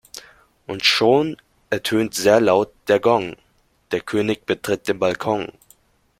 Und schon ertönt sehr laut der Gong, der König betritt den Balkon.